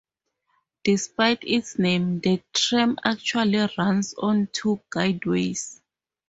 Despite its name, the tram actually runs on two guideways.